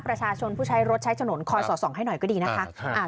ประชาชนผู้ใช้รถใช้ถนนคอยสอดส่องให้หน่อยก็ดีนะคะ